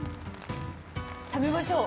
食べましょう。